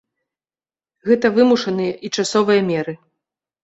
Гэта вымушаны і часовыя меры.